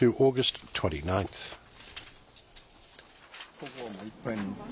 ここはもういっぱいになって。